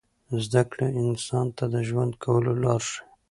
زده کړه انسان ته د ژوند کولو لار ښیي.